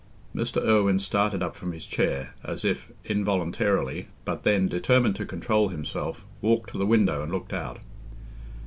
Mr. Irwine started up from his chair, as if involuntarily, but then, determined to control himself, walked to the window and looked out.